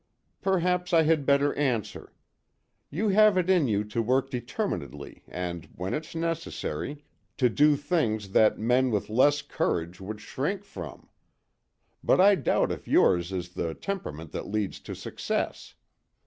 "Perhaps I had better answer. You have it in you to work determinedly and, when it's necessary, to do things that men with less courage would shrink from; but I doubt if yours is the temperament that leads to success.